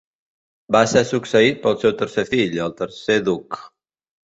Va ser succeït pel seu tercer fill, el tercer duc.